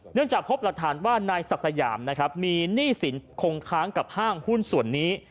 จากพบหลักฐานว่านายศักดิ์สยามนะครับมีหนี้สินคงค้างกับห้างหุ้นส่วนนี้